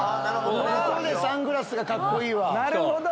そこでサングラスがカッコいいわ。